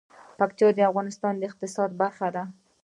پکتیا د افغانستان د اقتصاد برخه ده.